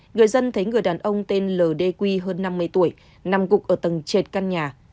người dân thấy người đàn ông tên l d quy hơn năm mươi tuổi nằm cục ở tầng trệt căn nhà